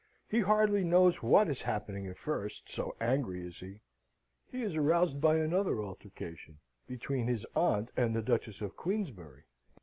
He hardly knows what is happening at first, so angry is he. He is aroused by another altercation, between his aunt and the Duchess of Queensberry.